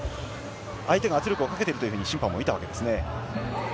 相手が圧力をかけていると審判も見たわけですね。